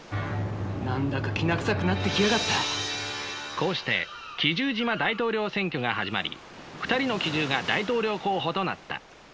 こうして奇獣島大統領選挙が始まり２人の奇獣が大統領候補となった。